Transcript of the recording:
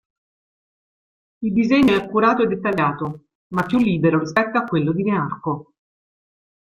Il disegno è accurato e dettagliato, ma più libero rispetto a quello di Nearco.